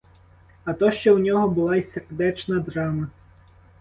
А то ще у нього була й сердечна драма.